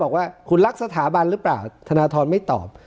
บอกว่าคุณรักสถาบันหรือเปล่าธนทรไม่ตอบ